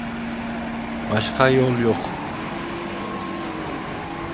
Başka yol yok.